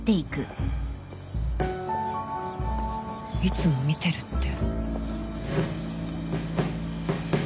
「いつも見てる」って？